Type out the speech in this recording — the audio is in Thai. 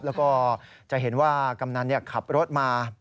แล้วก็จะเห็นว่ากำนันขับรถมา